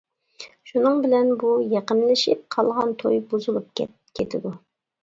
شۇنىڭ بىلەن بۇ يېقىنلىشىپ قالغان توي بۇزۇلۇپ كېتىدۇ.